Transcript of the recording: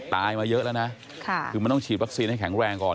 มาเยอะแล้วนะคือมันต้องฉีดวัคซีนให้แข็งแรงก่อน